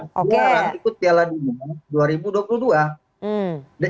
sekarang ikut piala dunia dua ribu dua puluh dua